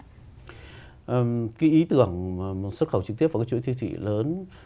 cái ý tưởng xuất khẩu trực tiếp vào cái chuỗi siêu thị lớn